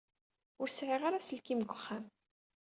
Ur sɛiɣ ara aselkim deg uxxam.